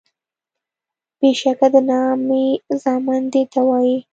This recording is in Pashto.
بیشکه د نامي زامن دیته وایي